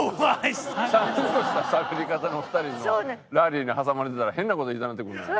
ちゃんとしたしゃべり方のお二人のラリーに挟まれてたら変な事言いたなってくんねんな。